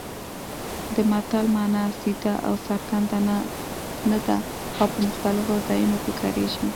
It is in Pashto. د متل مانا سیده او څرګنده نه ده او په مختلفو ځایونو کې کارېږي